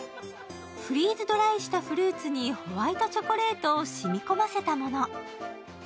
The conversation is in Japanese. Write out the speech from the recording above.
フリーズドライしたフルーツにホワイトチョコレートを染み込ませたもの。